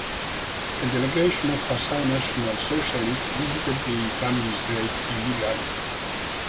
A delegation of Passau National Socialists visited the family's grave illegally.